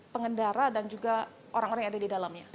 pengendara dan juga orang orang yang ada di dalamnya